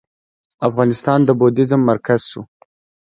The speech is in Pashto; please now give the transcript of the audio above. افغانستان د بودیزم مرکز شو